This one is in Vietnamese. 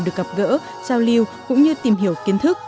được gặp gỡ giao lưu cũng như tìm hiểu kiến thức